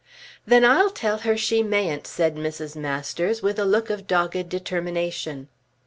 "Then I shall tell her she mayn't," said Mrs. Masters, with a look of dogged determination.